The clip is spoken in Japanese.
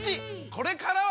これからは！